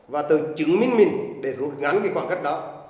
và từ chứng minh mình để rút ngắn cái khoảng cách đó